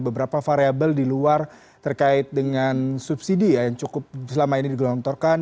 beberapa variable di luar terkait dengan subsidi ya yang cukup selama ini digelontorkan